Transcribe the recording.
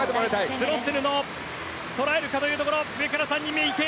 スロッセルを捉えるかというところ。